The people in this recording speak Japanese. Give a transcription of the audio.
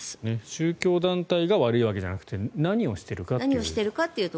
宗教団体が悪いわけじゃなくて何をしているかという。